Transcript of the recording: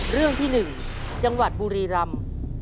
เรื่องที่๑จังหวัดบุรีรำ